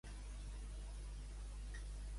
L'ase xiquet sempre és boniquet.